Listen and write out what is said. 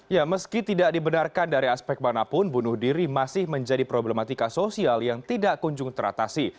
ya meski tidak dibenarkan dari aspek manapun bunuh diri masih menjadi problematika sosial yang tidak kunjung teratasi